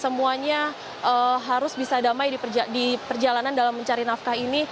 semuanya harus bisa damai di perjalanan dalam mencari nafkah ini